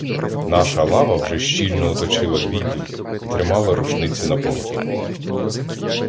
Наша лава вже щільно оточила відділ і тримала рушниці напоготові.